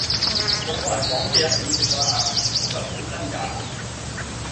我個人講嘢係咁直㗎喇，我個人好真㗎